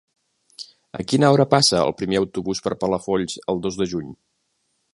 A quina hora passa el primer autobús per Palafolls el dos de juny?